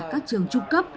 các trường trung cấp